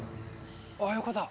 ああ横だ！